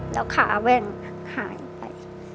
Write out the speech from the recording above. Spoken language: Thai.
แล้วขาแว่นหายไป